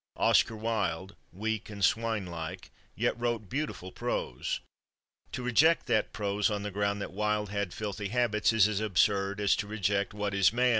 Oscar Wilde, weak and swine like, yet wrote beautiful prose. To reject that prose on the ground that Wilde had filthy habits is as absurd as to reject "What Is Man?"